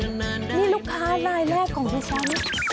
นี่ลูกค้านายแรกของพี่ซ้ำ